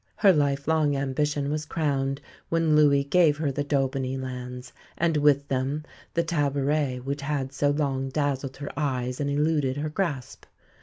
Her life long ambition was crowned when Louis gave her the d'Aubigny lands and, with them, the tabouret which had so long dazzled her eyes and eluded her grasp.